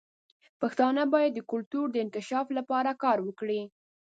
پښتانه باید د کلتور د انکشاف لپاره کار وکړي.